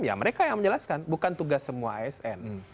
ya mereka yang menjelaskan bukan tugas semua asn